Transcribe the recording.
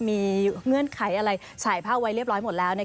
มีเงื่อนไขอะไรฉายผ้าไว้เรียบร้อยหมดแล้ว